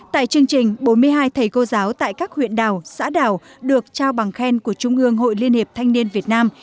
tại chương trình bốn mươi hai thầy cô giáo tại các huyện đảo xã đảo được trao bằng khen của trung ương hội liên hiệp thanh niên việt nam